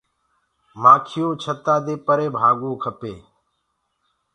مآکيآ ڪآ ڇتآ دي پري ڀآگڻ کپي؟